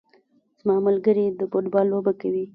زما ملګري د فوټبال لوبه کوي